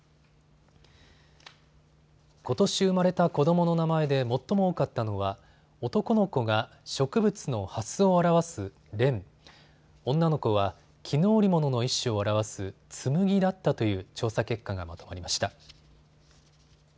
ことし生まれた子どもの名前で最も多かったのは男の子が植物のはすを表す蓮、女の子は絹織物の一種を表す紬だったという調査結果がまとまりました。